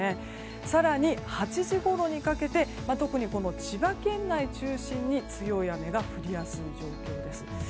更に８時ごろにかけて特に千葉県内を中心に強い雨が降りやすい状況です。